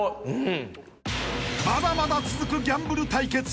［まだまだ続くギャンブル対決。